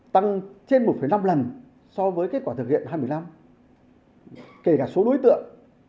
tăng trên một năm lần so với kết quả thực hiện hai mươi năm kể cả số đối tượng